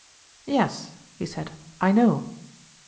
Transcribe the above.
Yes, he said, I know.